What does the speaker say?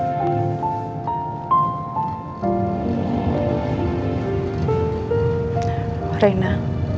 nanti kalau kita sudah berpisah